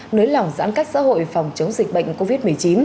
nới lỏng giãn cách xã hội phòng chống dịch bệnh covid một mươi chín